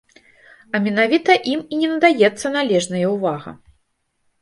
А менавіта ім і не надаецца належнае ўвага.